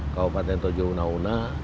kabupaten tojo una una